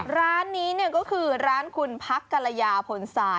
ร้านนี้ก็คือร้านคุณพลักษณ์กรรยาทนพนศาล